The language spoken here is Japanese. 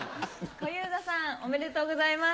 小遊三さんおめでとうございます。